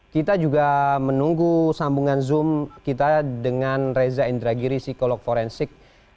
kita juga menunggu sambungan zoom kita dengan reza indragiri psikolog forensik